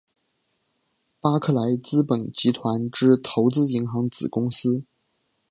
巴克莱资本集团之投资银行子公司。